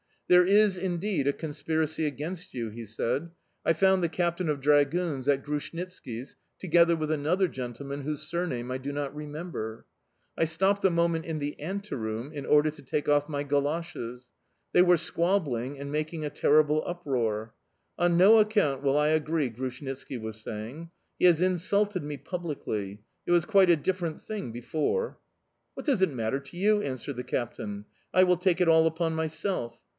"There is indeed a conspiracy against you," he said. "I found the captain of dragoons at Grushnitski's, together with another gentleman whose surname I do not remember. I stopped a moment in the ante room, in order to take off my goloshes. They were squabbling and making a terrible uproar. 'On no account will I agree,' Grushnitski was saying: 'he has insulted me publicly; it was quite a different thing before'... "'What does it matter to you?' answered the captain. 'I will take it all upon myself.